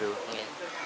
terus apa lagi